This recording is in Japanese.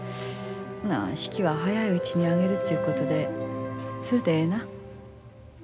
ほな式は早いうちに挙げるちゅうことでそれでええな？